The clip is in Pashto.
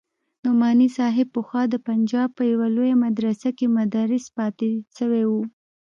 نعماني صاحب پخوا د پنجاب په يوه لويه مدرسه کښې مدرس پاته سوى و.